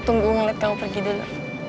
tunggu ngeliat kamu pergi dulu